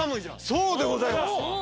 そうでございます。